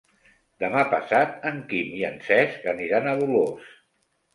Demà passat en Quim i en Cesc aniran a Dolors.